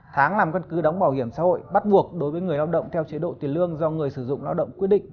tháng làm căn cứ đóng bảo hiểm xã hội bắt buộc đối với người lao động theo chế độ tiền lương do người sử dụng lao động quyết định